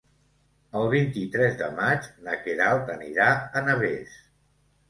El vint-i-tres de maig na Queralt anirà a Navès.